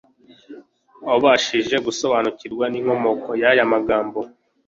wabashije gusobanukirwa n'inkomoko y'aya magambo,